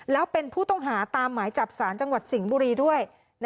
แล้วเป็นผู้ต้องหาตามหมายจับสารจังหวัดสิงห์บุรีด้วย